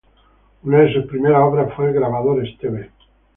Una de sus primeras obras fue "El grabador Esteve".